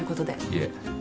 いえ。